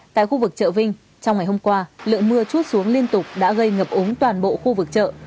tại khu vực chợ vinh trong ngày hôm qua lượng mưa chút xuống liên tục đã gây ngập úng toàn bộ khu vực chợ